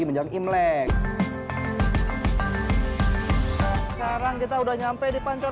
abang juga belum lahir